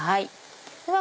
では